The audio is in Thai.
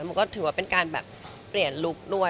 มันก็ถือว่าเป็นการแบบเปลี่ยนลุคด้วย